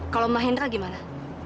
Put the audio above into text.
kalau mahendra gimana